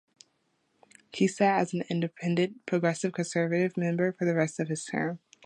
He sat as an Independent Progressive Conservative member for the rest of his term.